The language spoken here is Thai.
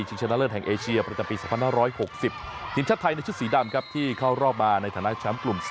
ชนะเลิศแห่งเอเชียประจำปี๒๕๖๐ทีมชาติไทยในชุดสีดำครับที่เข้ารอบมาในฐานะแชมป์กลุ่ม๓